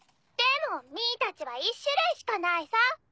でもミーたちは１種類しかないさ